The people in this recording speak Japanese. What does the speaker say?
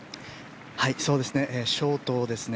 ショートでしたね。